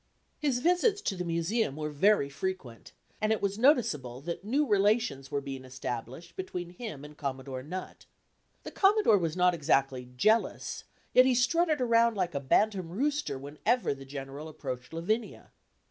His visits to the Museum were very frequent, and it was noticeable that new relations were being established between him and Commodore Nutt. The Commodore was not exactly jealous, yet he strutted around like a bantam rooster whenever the General approached Lavinia.